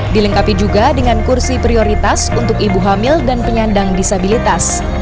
dilengkapi juga dengan kursi prioritas untuk ibu hamil dan penyandang disabilitas